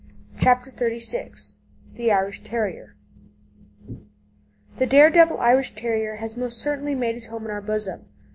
CHAPTER XXXVI THE IRISH TERRIER The dare devil Irish Terrier has most certainly made his home in our bosom.